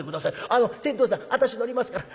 あの船頭さん私乗りますから」。